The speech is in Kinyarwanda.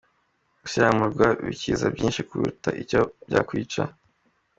Gusiramurwa bikiza byinshi kuruta icyo byakwica.